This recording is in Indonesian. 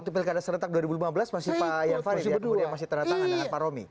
waktu pilkada serentak dua ribu lima belas masih pak yafari yang masih tanda tangan dengan pak romi